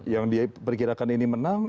yang diperkirakan ini menang